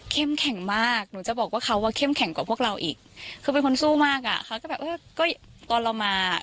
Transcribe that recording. แข็งมากหนูจะบอกว่าเขาอ่ะเข้มแข็งกว่าพวกเราอีกคือเป็นคนสู้มากอ่ะเขาจะแบบเออก็ตอนเรามา